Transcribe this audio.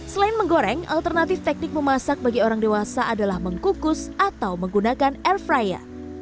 selain menggoreng alternatif teknik memasak bagi orang dewasa adalah mengkukus atau menggunakan air fryer